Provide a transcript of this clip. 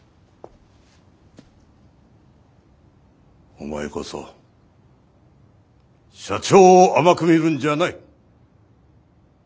お前こそ社長を甘く見るんじゃない。